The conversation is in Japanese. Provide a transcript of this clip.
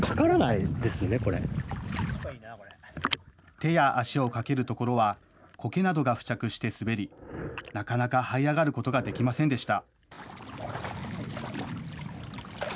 手や足をかけるところはこけなどが付着して滑りなかなかはい上がることができませんでした。